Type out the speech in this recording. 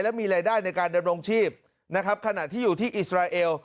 และมีรายได้ในการดำรงชีพนะครับขณะที่อยู่ที่อิสราเอล